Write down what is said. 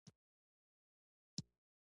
د ګیډې د غوړ لپاره د سهار منډه وکړئ